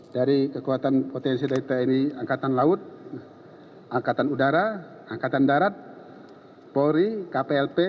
dari kekuatan potensi dari tni angkatan laut angkatan udara angkatan darat polri kplp